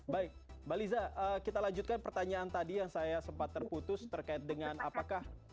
baik mbak liza kita lanjutkan pertanyaan tadi yang saya sempat terputus terkait dengan apakah